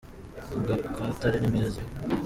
mukagatare nimwiza